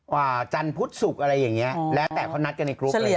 ว่าจันทร์พุษศุกร์อะไรอย่างเงี้ย